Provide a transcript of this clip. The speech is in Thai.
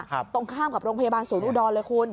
ตรงข้ามกับโรงพยาบาลศูนย์อุดรเลยคุณ